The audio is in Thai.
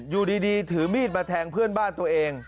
อยู่ดีถือมีดมาแทงเพื่อนบ้านตัวเอง